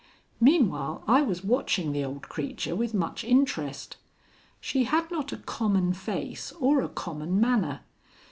Meanwhile I was watching the old creature with much interest. She had not a common face or a common manner.